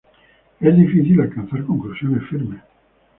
Es difícil alcanzar conclusiones firmes.